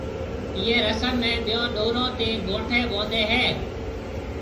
ايئيَ رسم ۾ ٻيون ڏورون تيَ گھونٺيَ ٻونڌي ھيَََ